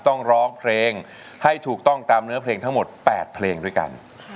ร้องเพลงให้ถูกต้องตามเนื้อเพลงทั้งหมด๘เพลงด้วยกัน